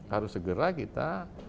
harus segera kita